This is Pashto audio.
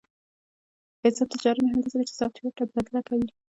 آزاد تجارت مهم دی ځکه چې سافټویر تبادله کوي.